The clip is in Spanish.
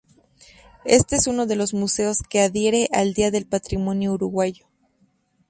Este es uno de los museos que adhiere al día del patrimonio uruguayo.